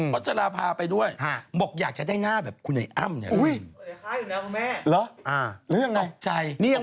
จราพาไปด้วยบอกอยากจะได้หน้าแบบคุณไอ้อ้ำเนี่ย